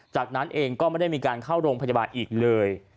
จากนั้นเองก็ไม่ได้มีการเข้าโรงพยาบาลอีกเลย